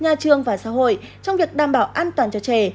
nhà trường và xã hội trong việc đảm bảo an toàn cho trẻ